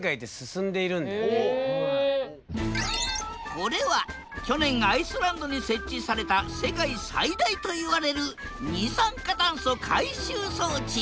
これは去年アイスランドに設置された世界最大といわれる二酸化炭素回収装置。